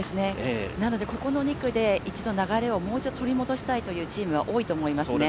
ここの２区で流れをもう一度取り戻したいというチームは多いと思いますね。